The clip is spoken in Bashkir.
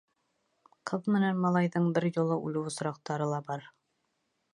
Ҡыҙ менән малайҙың бер юлы үлеү осраҡтары ла бар.